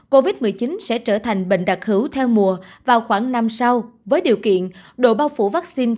covid một mươi chín sẽ trở thành bệnh đặc hữu theo mùa vào khoảng năm sau với điều kiện độ bao phủ vaccine